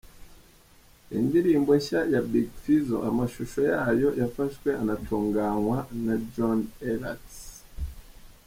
Iyi ndirimbo nshya ya Big Fizzo amashusho yayo yafashwe anatunganywa na ‘John Elarts’.